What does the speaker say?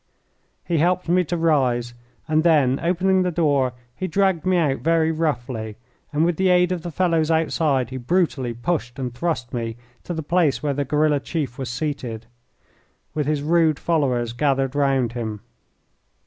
He helped me to rise, and then, opening the door, he dragged me out very roughly, and with the aid of the fellows outside he brutally pushed and thrust me to the place where the guerilla chief was seated, with his rude followers gathered round him.